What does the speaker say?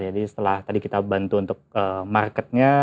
setelah tadi kita bantu untuk marketnya